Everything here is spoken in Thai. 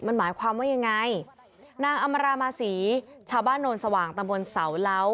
มันหมายความว่ายังไงนางอำมารามาศรีชาวบ้านโนนสว่างตำบลเสาเล้า